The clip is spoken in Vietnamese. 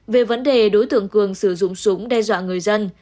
về vấn đề đối tượng cường sử dụng súng đe dọa người dân